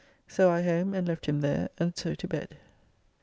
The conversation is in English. So I home and left him there, and so to bed.